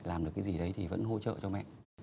làm được cái gì đấy thì vẫn hỗ trợ cho mẹ